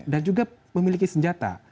dan juga memiliki senjata